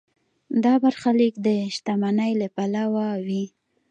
دا برخلیک د شتمنۍ له پلوه وي.